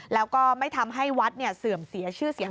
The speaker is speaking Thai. แล้วก็ไม่ทำให้วัดเสื่อมเสียชื่อเสียง